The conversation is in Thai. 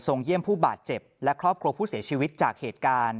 เยี่ยมผู้บาดเจ็บและครอบครัวผู้เสียชีวิตจากเหตุการณ์